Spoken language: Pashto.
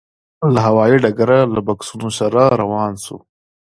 له هوايي ډګره له بکسونو سره روان شوو.